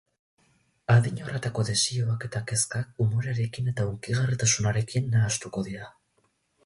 Adin horretako desioak eta kezkak umorearekin eta hunkigarritasunarekin nahastuko dira.